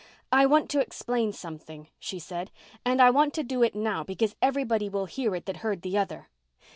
"I want to explain something," she said, "and I want to do it now because everybody will hear it that heard the other.